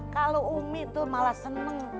kalau umi tuh malah seneng